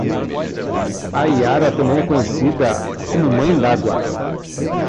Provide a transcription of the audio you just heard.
A iara também é conhecida como mãe d'água